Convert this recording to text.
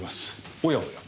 おやおや。